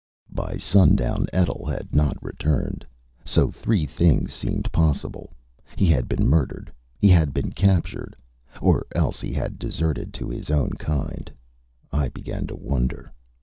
By sundown, Etl had not returned. So three things seemed possible: He had been murdered. He had been captured. Or else he had deserted to his own kind. I began to wonder.